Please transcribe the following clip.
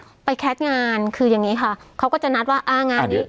ก็ไปแคทงานคืออย่างนี้ค่ะเขาก็จะนัดว่าอ่างานนี้